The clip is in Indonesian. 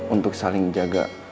untuk saling jaga